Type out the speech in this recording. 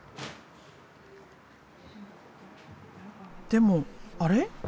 でもあれ？